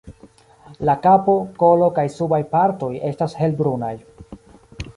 La kapo, kolo kaj subaj partoj estas helbrunaj.